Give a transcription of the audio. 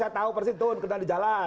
saya tahu persih tun kedua di jalan